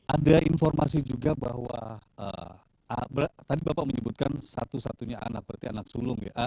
ada informasi juga bahwa tadi bapak menyebutkan satu satunya anak berarti anak sulung ya